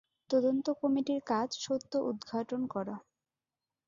তদন্ত কমিটির কাজ সত্য উদ্ঘাটন করা।